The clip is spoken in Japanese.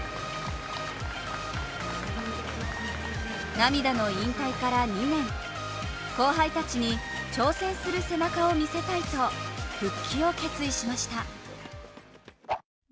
涙の引退から２年、後輩たちに挑戦する背中を見せたいと復帰を決意しました。